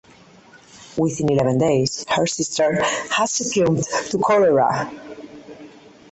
Within eleven days her sister had succumbed to cholera.